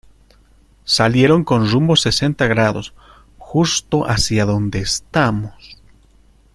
salieron con rumbo sesenta grados, justo hacia donde estamos.